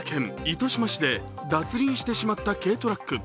糸島市で脱輪してしまった軽トラック。